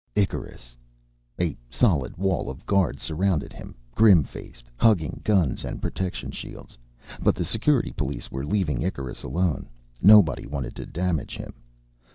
Icarus! A solid wall of guards surrounded him, grim faced, hugging guns and protection shields. But the Security police were leaving Icarus alone. Nobody wanted to damage him.